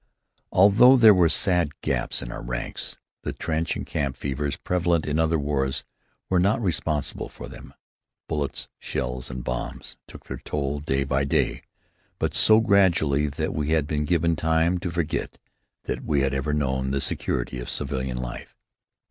Although there were sad gaps in our ranks, the trench and camp fevers prevalent in other wars were not responsible for them. Bullets, shells, and bombs took their toll day by day, but so gradually that we had been given time to forget that we had ever known the security of civilian life.